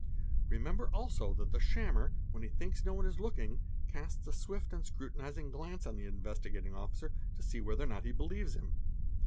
Remember also that the shammer, when e thinks no one is looking, casts a swift and scrutinising glance on the Be tevtine Officer to see whether or not he believes him.